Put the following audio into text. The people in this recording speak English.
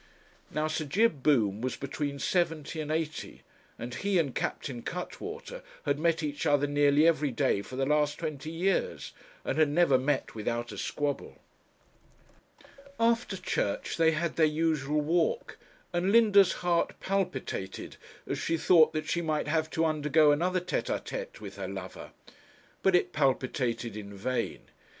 Now Sir Jib Boom was between seventy and eighty, and he and Captain Cuttwater had met each other nearly every day for the last twenty years, and had never met without a squabble. After church they had their usual walk, and Linda's heart palpitated as she thought that she might have to undergo another tête à tête with her lover. But it palpitated in vain.